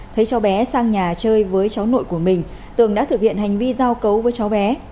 thấy cháu bé sang nhà chơi với cháu nội của mình tường đã thực hiện hành vi giao cấu với cháu bé